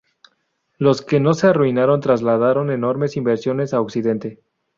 Los que no se arruinaron trasladaron enormes inversiones a Occidente.